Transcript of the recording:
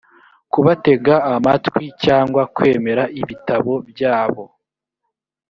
kubatega amatwi cyangwa kwemera ibitabo byabo